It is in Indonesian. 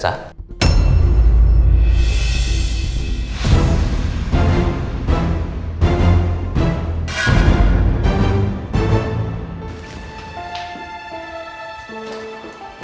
tidak ada apa apa